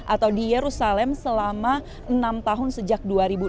atau di yerusalem selama enam tahun sejak dua ribu enam belas